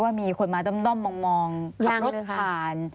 มีคนมาด้อมมองขับรถผ่าน